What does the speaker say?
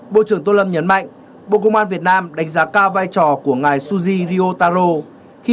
bộ trưởng tô lâm nhấn mạnh bộ công an việt nam đánh giá cao vai trò của ngài suzy ryotaro